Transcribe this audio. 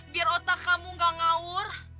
biar otak kamu gak ngawur